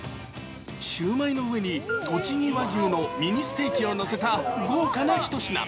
シウマイの上にとちぎ和牛のミニステーキを載せた豪華な一品。